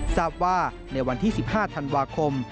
ทราบว่าในวันที่๑๕ธันวาคม